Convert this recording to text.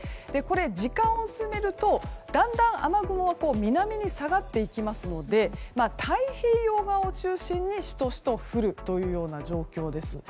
時間を進めると、だんだん雨雲は南に下がっていきますので太平洋側を中心にシトシト降るという状況です。